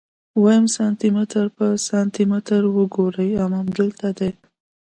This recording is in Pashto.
ويم سانتي متر په سانتي متر وګروئ امدلته دي.